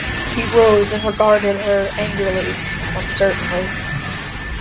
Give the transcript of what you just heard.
He rose and regarded her angrily, uncertainly.